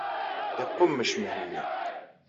Iqummec Mhenni.